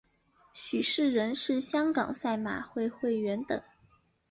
许仕仁是香港赛马会会员等。